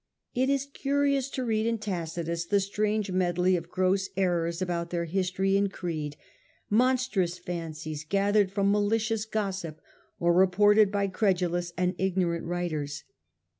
It is curious to read in Tacitus the strange medley of gross errors about their history and creed — monstrous fancies gathered from malicious gossip or reported by credulous and ignorant writers.